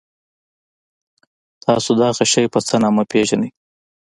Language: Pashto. تاسو دغه شی په څه نامه پيژنی؟